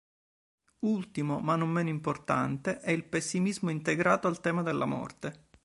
Ultimo, ma non meno importante, è il pessimismo integrato al tema della morte.